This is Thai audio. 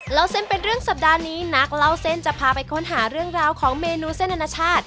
เล่าเส้นเป็นเรื่องสัปดาห์นี้นักเล่าเส้นจะพาไปค้นหาเรื่องราวของเมนูเส้นอนาชาติ